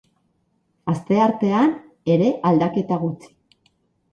Asteartean, ere aldaketa gutxi.